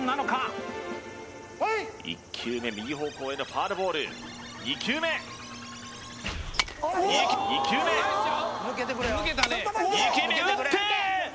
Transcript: プレイ１球目右方向へのファウルボール２球目２球目２球目打って！